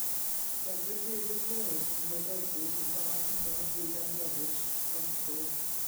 Ganwyd David Morris yng Nghaerfyrddin yn fab hynaf William Morris, bancwr.